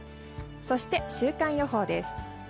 そして週間予報です。